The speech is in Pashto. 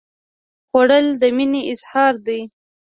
خوړل د مینې اظهار دی